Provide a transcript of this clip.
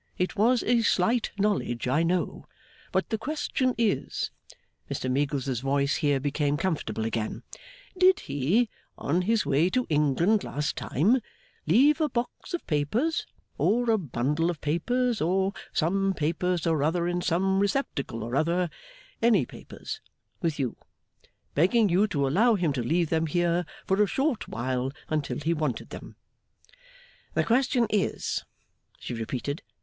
It was a slight knowledge, I know. But the question is,' Mr Meagles's voice here became comfortable again, 'did he, on his way to England last time, leave a box of papers, or a bundle of papers, or some papers or other in some receptacle or other any papers with you: begging you to allow him to leave them here for a short time, until he wanted them?' 'The question is?' she repeated.